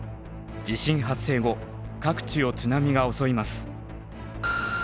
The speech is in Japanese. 地震発生後各地を津波が襲います。